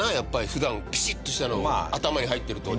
普段ピシッとしたの頭に入ってると。